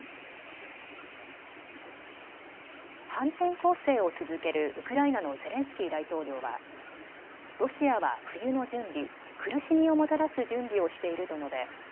反転攻勢を続けるウクライナのゼレンスキー大統領はロシアは冬の準備、苦しみをもたらす準備をしていると述べ